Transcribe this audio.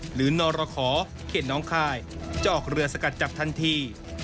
นรขอเขตน้องคายจะออกเรือสกัดจับทันที